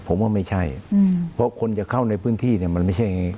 ผมว่าไม่ใช่เพราะคนจะเข้าในพื้นที่เนี่ยมันไม่ใช่อย่างนี้